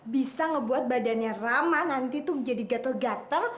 bisa ngebuat badannya ramah nanti tuh menjadi gatel gatel